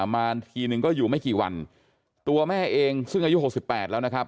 มาทีนึงก็อยู่ไม่กี่วันตัวแม่เองซึ่งอายุ๖๘แล้วนะครับ